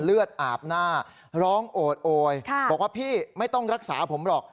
เลือดอาบหน้าร้องโอดโอยบอกว่าพี่ไม่ต้องรักษาผมหรอก